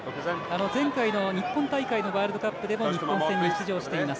前回の日本大会のワールドカップでも日本戦に出場しています。